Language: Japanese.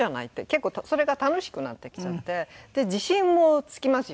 結構それが楽しくなってきちゃって自信もつきますよね。